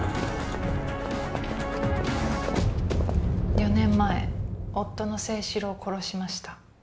４年前夫の征四郎を殺しました